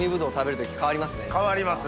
変わります。